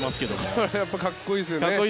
これはやっぱりかっこいいですよね。